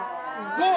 ５！